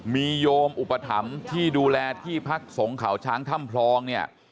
มีโยมอุปถัมภ์ที่ดูแลที่พักศงข่าวช้างถ้ำพรอง